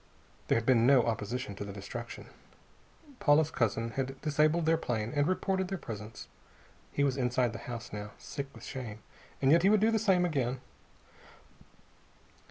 There had been no opposition to the destruction. Paula's cousin had disabled their plane and reported their presence. He was inside the house now, sick with shame and yet he would do the same again.